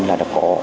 là đã có